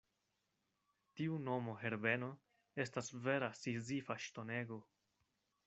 Tiu nomo Herbeno estas vera Sizifa ŝtonego.